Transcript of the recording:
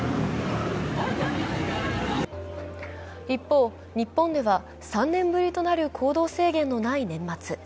一方、日本では３年ぶりとなる行動制限のない年末。